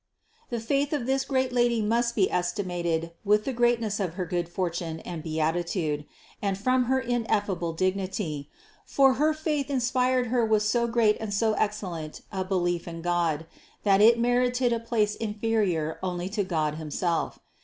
The faith of this great Lady must be esti mated from the greatness of her good fortune and beati tude, and from her ineffable dignity; for her faith in spired Her with so great and so excellent a belief in God, that it merited a place inferior only to God himself.